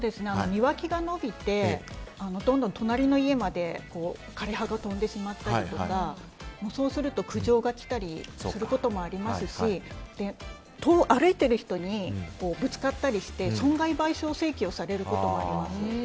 庭木が伸びてどんどん隣の家まで枯れ葉が飛んでしまったりとかそうすると苦情が来たりすることもありますし歩いている人にぶつかったりして損害賠償請求をされることもあるんです。